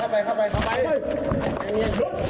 เข้าไปเข้าไปเข้าไปเข้าไป